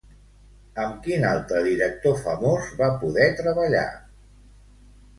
Amb quin altre director famós va poder treballar?